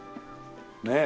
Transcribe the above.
ねえ。